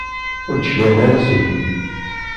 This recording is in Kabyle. Ur d-cliɛen ara seg-m.